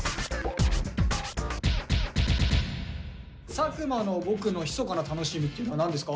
作間のボクのひそかな楽しみっていうのは何ですか？